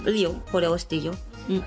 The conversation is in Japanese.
これ押していいようん。